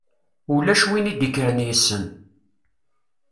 Ulac win i d-ikkren yessen.